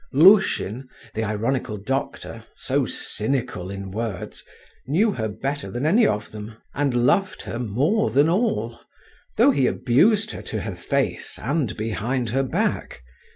Lushin, the ironical doctor, so cynical in words, knew her better than any of them, and loved her more than all, though he abused her to her face and behind her back.